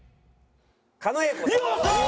狩野英孝さん。